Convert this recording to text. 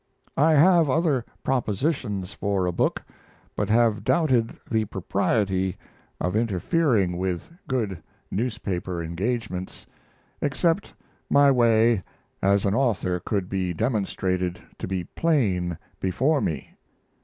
I have other propositions for a book, but have doubted the propriety of interfering with good newspaper engagements, except my way as an author could be demonstrated to be plain before me.